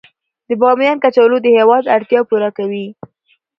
د بامیان کچالو د هیواد اړتیا پوره کوي